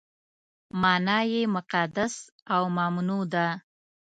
معنا یې مقدس او ممنوع ده.